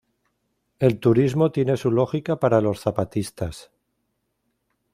El turismo tiene su lógica para los zapatistas.